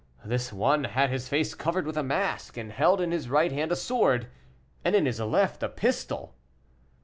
This one had his face covered with a mask, and held in his right hand a sword, and in his left a pistol.